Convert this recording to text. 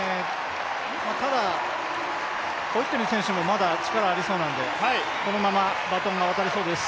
ただ、ホイットニー選手もまだ力がありそうなので、このままバトンが渡りそうです。